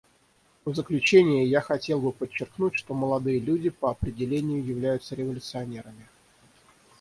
В заключение я хотел бы подчеркнуть, что молодые люди, по определению, являются революционерами.